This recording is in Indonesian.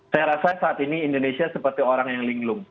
saya rasa saat ini indonesia seperti orang yang linglung